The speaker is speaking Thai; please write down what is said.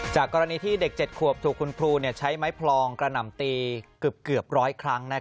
กรณีที่เด็ก๗ขวบถูกคุณครูใช้ไม้พลองกระหน่ำตีเกือบร้อยครั้ง